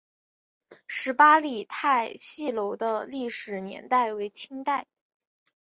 十八里汰戏楼的历史年代为清代。